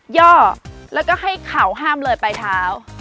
ย่อแล้วก็ให้เขาห้ามเลยไปเท้า